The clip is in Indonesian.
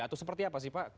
atau seperti apa sih pak